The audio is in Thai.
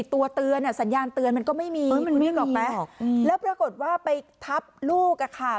ตัวเตือนอ่ะสัญญาณเตือนมันก็ไม่มีมันวิ่งออกไหมแล้วปรากฏว่าไปทับลูกอะค่ะ